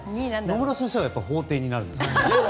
野村先生は法廷になるんですか？